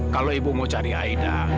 kalau ibu mau cari aida